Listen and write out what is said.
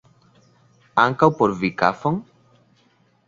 Ankaŭ por vi kafon?